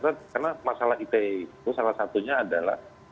karena masalah ite itu salah satunya adalah